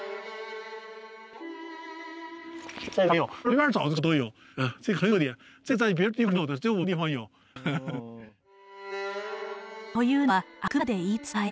矢の跡というのはあくまで言い伝え。